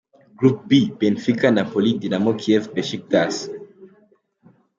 Group B : Benfica, Napoli, Dynamo Kiev, Besiktas